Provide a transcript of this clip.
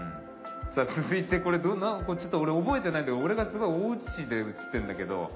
さあ続いてこれちょっと俺覚えてないんだけど俺がすごい大写しで写ってるんだけど。